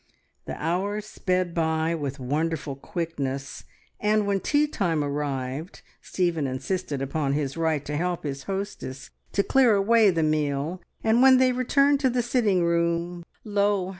The hours sped by with wonderful quickness, and when tea time arrived Stephen insisted upon his right to help his hostess to clear away the meal, and when they returned to the sitting room, lo!